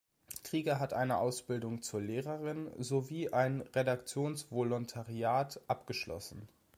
Krieger hat eine Ausbildung zur Lehrerin sowie ein Redaktionsvolontariat abgeschlossen.